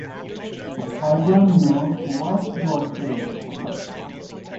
Soon afterwards they were signed by Universal Music.